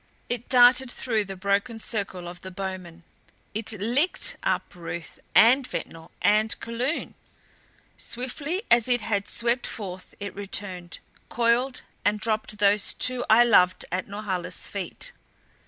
It darted through the broken circle of the bowmen. It LICKED up Ruth and Ventnor and Kulun! Swiftly as it had swept forth it returned, coiled and dropped those two I loved at Norhala's feet.